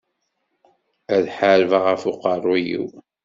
Ad ḥarbeɣ ɣef uqerru-iw.